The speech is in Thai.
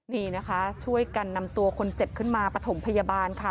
นี่นะคะช่วยกันนำตัวคนเจ็บขึ้นมาปฐมพยาบาลค่ะ